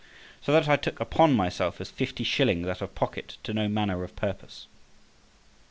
So that I took upon myself as fifty shillings out of pocket to no manner of purpose.